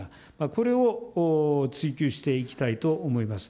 これを追求していきたいと思います。